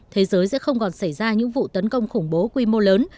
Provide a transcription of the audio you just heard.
thế giới sẽ không còn xảy ra những vụ tấn công khủng bố quy mô lớn